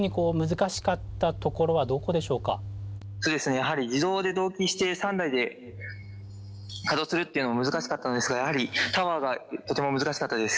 やはり自動で同期して３台で稼働するっていうのが難しかったのですがやはりタワーがとても難しかったです。